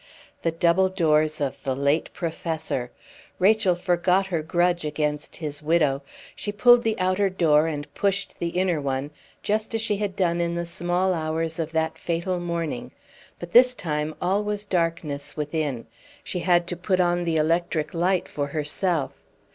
The double doors of the late professor! Rachel forgot her grudge against his widow; she pulled the outer door, and pushed the inner one, just as she had done in the small hours of that fatal morning, but this time all was darkness within. She had to put on the electric light for herself.